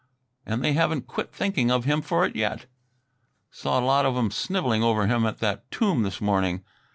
And they haven't quit thanking him for it yet. Saw a lot of 'em snivelling over him at that tomb this morning.